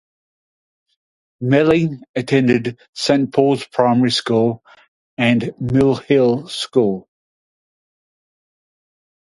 Melling attended Saint Paul's Primary School and Mill Hill School.